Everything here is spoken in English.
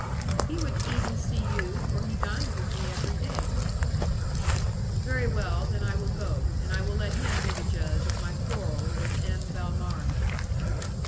"He would even see you, for he dines with me every day." "Very well, then I will go, and I will let him be the judge of my quarrel with M. Valmarana."